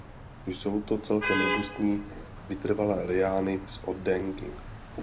Jsou to celkem robustní vytrvalé liány s oddenky.